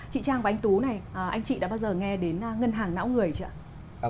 chị trang và anh tú anh chị đã bao giờ nghe đến ngân hàng não người chưa